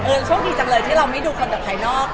เออโชคดีจังเลยที่เราไม่ดูคนแบบภายนอก